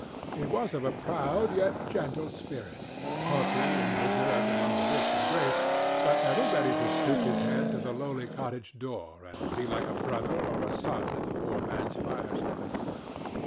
He was of a proud yet gentle spirit, haughty and reserved among the rich and great, but ever ready to stoop his head to the lowly cottage door and be like a brother or a son at the poor man's fireside.